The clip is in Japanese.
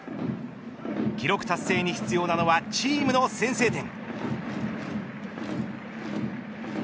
記録達成に必要なのはチームの先制点。